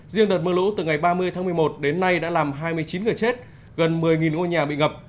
riêng đợt mưa lũ từ ngày ba mươi tháng một mươi một đến nay đã làm hai mươi chín người chết gần một mươi ngôi nhà bị ngập